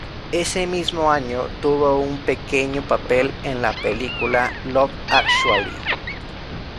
Ese mismo año tuvo un pequeño papel en la película "Love actually".